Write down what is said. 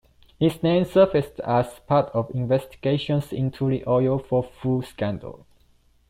His name surfaced as part of investigations into the oil-for-food scandal.